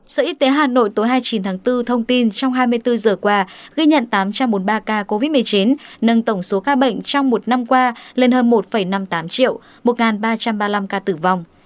sở y tế hà nội tối hai mươi chín tháng bốn thông tin trong hai mươi bốn giờ qua ghi nhận tám trăm bốn mươi ba ca covid một mươi chín nâng tổng số ca bệnh trong một năm qua lên hơn một năm mươi tám triệu một ba trăm ba mươi năm ca tử vong